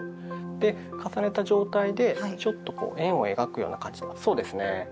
で重ねた状態でちょっとこう円を描くような感じそうですね。